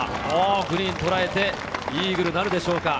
グリーンをとらえてイーグルとなるでしょうか？